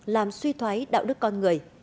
làm suy thoái đạo đức con người